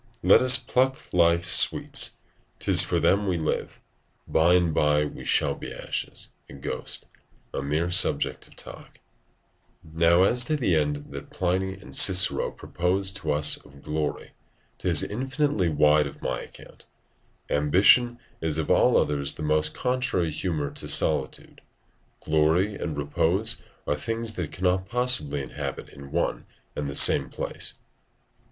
["Let us pluck life's sweets, 'tis for them we live: by and by we shall be ashes, a ghost, a mere subject of talk." Persius, Sat., v. 151.] Now, as to the end that Pliny and Cicero propose to us of glory, 'tis infinitely wide of my account. Ambition is of all others the most contrary humour to solitude; glory and repose are things that cannot possibly inhabit in one and the same place.